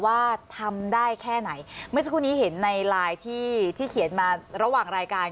ว่าทำได้แค่ไหนเมื่อสักครู่นี้เห็นในไลน์ที่ที่เขียนมาระหว่างรายการ